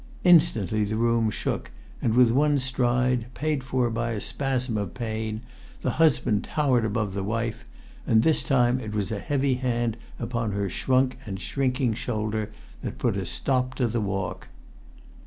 Instantly the room shook, and with one stride, paid for by a spasm of pain, the husband towered above the wife; and this time it was a heavy hand upon her shrunk and shrinking shoulder that put a stop to the walk.